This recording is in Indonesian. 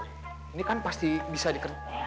ini kan pasti bisa diker